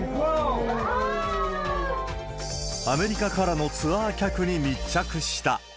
アメリカからのツアー客に密着した。